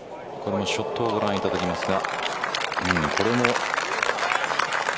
ショットをご覧いただきますが。